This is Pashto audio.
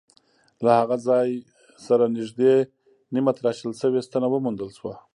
له هغه ځای سره نږدې نیمه تراشل شوې ستنه وموندل شوه.